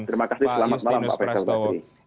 terima kasih selamat malam pak faisal bakri